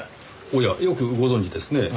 おやよくご存じですねぇ。